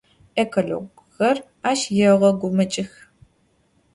Экологхэр ащ егъэгумэкӏых.